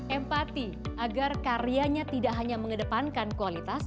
empati agar karyanya tidak hanya mengedepankan kualitas